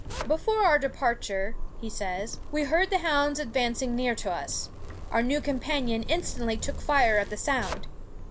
"Before our departure," he says, "we heard the hounds advancing near to us. Our new companion instantly took fire at the sound.